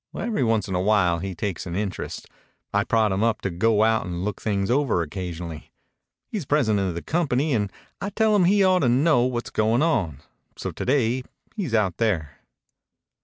"Every once in a while he takes an interest. I prod him up to go out and look things over occasionally. He's president of the company, and I tell him he ought to know what's going on. So to day he's out there."